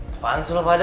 apaan sih lo pada